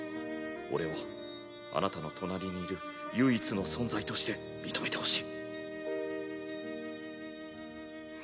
俺をあなたの隣にいる唯一の存在として認めてほしい。